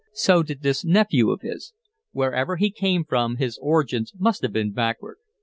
So did this nephew of his. Wherever he came from, his origins must have been backward.